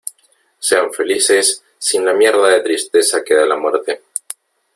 sean felices sin la mierda de tristeza que da la muerte .